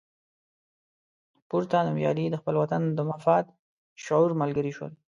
پورته نومیالي د خپل وطن د مفاد شعور ملګري شول.